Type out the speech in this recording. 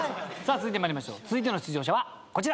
続いての出場者はこちら。